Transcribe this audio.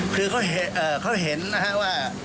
คือเขาเห็นนะฮะว่า